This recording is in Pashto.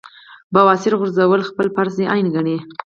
بواسير غورزول خپل فرض عېن ګڼي -